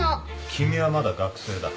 君はまだ学生だ。